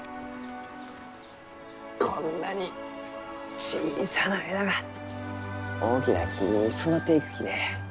こんなに小さな枝が大きな木に育っていくきね。